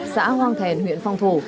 xã hoang thèn huyện phong thổ